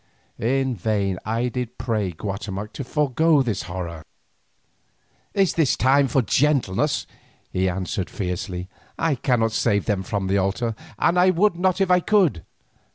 In vain did I pray Guatemoc to forego this horror. "Is this a time for gentleness?" he answered fiercely. "I cannot save them from the altar, and I would not if I could.